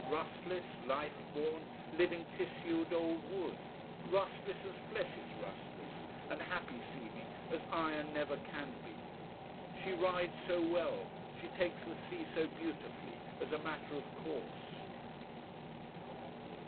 Rustless, life born, living tissued old wood: rustless as flesh is rustless, and happy seeming as iron never can be. She rides so well, she takes the sea so beautifully, as a matter of course.